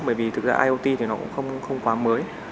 bởi vì thực ra iot thì nó cũng không quá mới